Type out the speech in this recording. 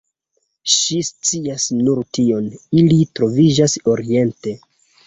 Ŝi scias nur tion: ili troviĝas oriente.